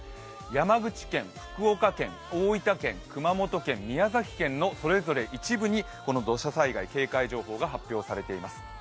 山口県、福岡県、大分県、熊本県、宮崎県の、それぞれ一部に土砂災害警戒情報が、発表されています。